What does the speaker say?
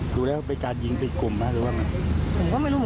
ดูแลวไปการยิงอีกกลุ่มมั้ยหรือว่าไง